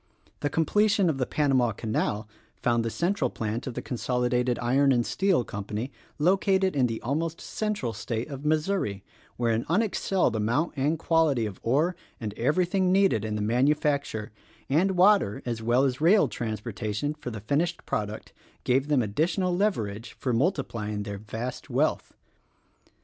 The completion of the Panama Canal found the central plant of the Consolidated Iron and Steel Company located in the almost central state of Missouri, where an unexcelled amount and quality of ore and everything needed in the manufacture, and water as well as rail trans portation for the finished product, gave them additional leverage for multiplying their vast wealth.